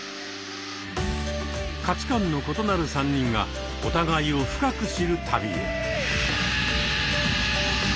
価値観の異なる３人がお互いを深く知る旅へ。